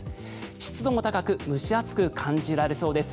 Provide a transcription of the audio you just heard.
湿度も高く蒸し暑く感じられそうです。